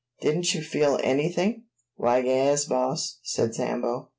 Didn't you feel anything?" "Why, yas, boss," said Sambo.